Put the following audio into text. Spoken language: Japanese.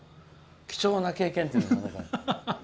貴重な経験って。